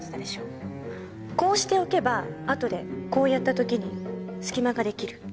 こうしておけばあとでこうやった時に隙間が出来る。